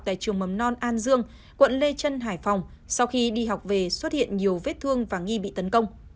tại trường mầm non an dương quận lê trân hải phòng sau khi đi học về xuất hiện nhiều vết thương và nghi bị tấn công